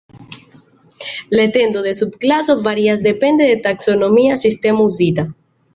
La etendo de subklaso varias depende de taksonomia sistemo uzita.